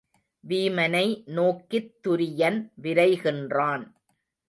வீமனை நோக்கித் துரியன் விரைகின்றான்.